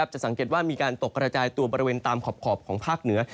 จะสังเกตว่ามีการตกกระจายตัวบริเวณตามขอบของภาคเหนือ